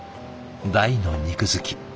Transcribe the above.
大の肉好き。